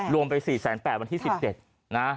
รวมไป๔๘๐๐วันที่๑๗นะ